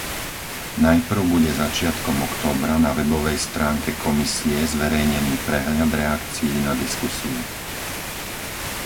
Najprv bude začiatkom októbra na webovej stránke Komisie zverejnený prehľad reakcií na diskusiu.